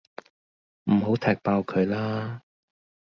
唔好踢爆佢喇